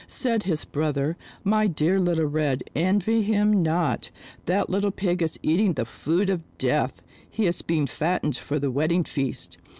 Said his brother, "My dear Little Red, envy him not. That little Pig is eating the food of death ! He is being fattened for the wedding feast.